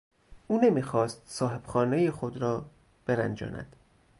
او نمیخواست صاحب خانه خود را برنجاند.